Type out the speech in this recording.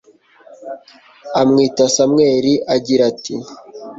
amwita samweli, agira ati